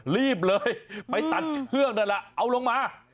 รีบเลยไปตัดเชือกนั่นแหละเอาลงมา